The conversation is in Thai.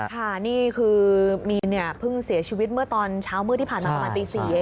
ค่ะนี่คือมีนเนี่ยเพิ่งเสียชีวิตเมื่อตอนเช้ามืดที่ผ่านมาประมาณตี๔เอง